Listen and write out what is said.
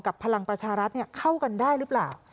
พลังประชารัฐเข้ากันได้หรือเปล่า